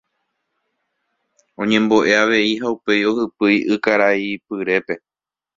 Oñembo'e avei ha upéi ohypýi ykaraipyrépe.